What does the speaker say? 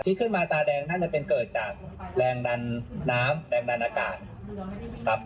ที่ขึ้นมาตาแดงน่าจะเป็นเกิดจากแรงดันน้ำแรงดันอากาศครับ